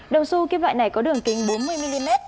đồng su kim loại này có đường kính bốn mươi mm